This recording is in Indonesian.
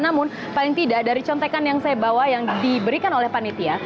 namun paling tidak dari contekan yang saya bawa yang diberikan oleh panitia